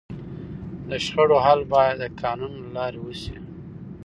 د شخړو حل باید د قانون له لارې وسي.